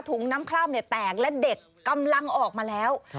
น้ำคร่ำแตกและเด็กกำลังออกมาแล้ว